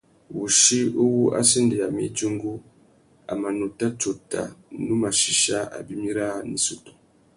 Wuchí uwú a sendéyamú idjungú, a mà nuta tsôta nu mà chichia abimî râā nà issutu.